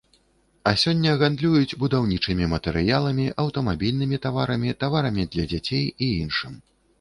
А сёння гандлююць будаўнічымі матэрыяламі, аўтамабільнымі таварамі, таварамі для дзяцей і іншым.